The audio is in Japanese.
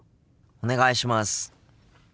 お願いします。